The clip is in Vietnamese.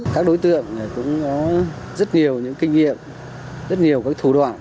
các đối tượng cũng có rất nhiều những kinh nghiệm rất nhiều các thủ đoạn